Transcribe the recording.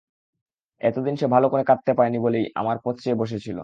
এতদিন সে ভালো করে কাঁদতে পায় নি বলেই তো আমার পথ চেয়ে বসে ছিল।